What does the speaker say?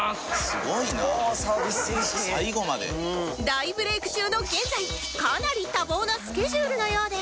大ブレイク中の現在かなり多忙なスケジュールのようで